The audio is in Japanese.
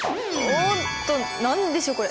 おっと何でしょこれ？